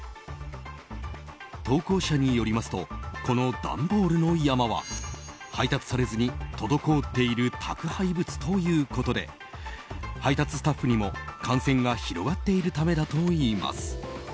投稿者によりますとこの段ボールの山は配達されずに滞っている宅配物ということで配達スタッフにも感染が広がっているためだといいます。